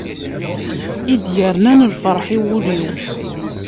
I d-yernan lferḥ i wul-iw.